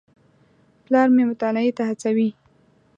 پلار مې مطالعې ته هڅوي.